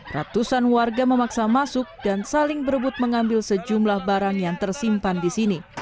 ratusan warga memaksa masuk dan saling berebut mengambil sejumlah barang yang tersimpan di sini